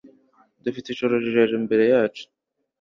Dufite ijoro rirerire imbere yacu.